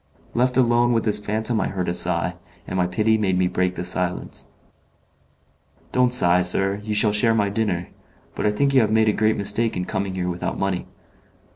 Left alone with this phantom I heard a sigh, and my pity made me break the silence. "Don't sigh, sir, you shall share my dinner. But I think you have made a great mistake in coming here without money."